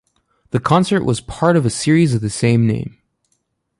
The concert was part of a series of the same name.